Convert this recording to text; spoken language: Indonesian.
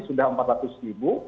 sudah empat ratus ribu